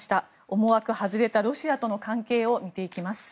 思惑外れたロシアとの関係を見ていきます。